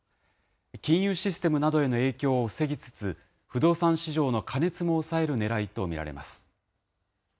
金融システムなどへの影響を防ぎつつ、不動産市場の過熱も抑えるねらいと見られます。